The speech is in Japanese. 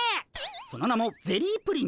その名もゼリープリン。